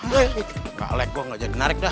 gak like gue gak jadi narik dah